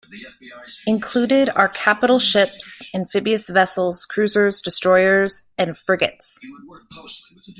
Included are capital ships, amphibious vessels, cruisers, destroyers and frigates.